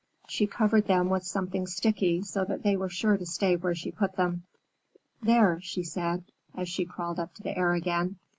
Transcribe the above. She covered them with something sticky, so that they were sure to stay where she put them. "There!" she said, as she crawled up to the air again.